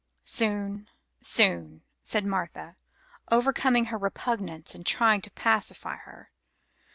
"Soon, soon," said Martha, overcoming her repugnance and trying to pacify her.